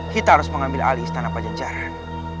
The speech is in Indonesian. kita harus mengambil alih istana pajajaran